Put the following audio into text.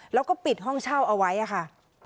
แล้วก็ปิดห้องเช่าเอาไว้ค่ะ